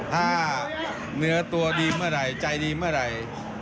ถ้าเหนือตัวจะมืออะไรใจก็มืออะไร